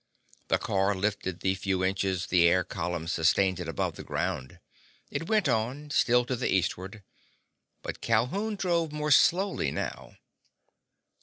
The car lifted the few inches the air columns sustained it above the ground. It went on, still to the eastward. But Calhoun drove more slowly now.